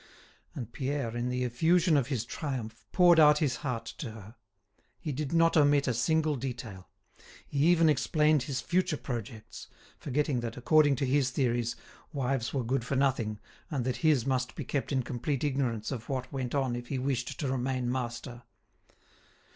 And Pierre, in the effusion of his triumph, poured out his heart to her. He did not omit a single detail. He even explained his future projects, forgetting that, according to his theories, wives were good for nothing, and that his must be kept in complete ignorance of what went on if he wished to remain master.